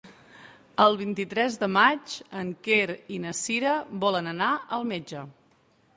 El vint-i-tres de maig en Quer i na Cira volen anar al metge.